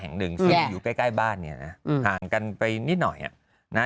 แห่งหนึ่งซึ่งอยู่ใกล้ใกล้บ้านเนี่ยนะห่างกันไปนิดหน่อยอ่ะนะฮะ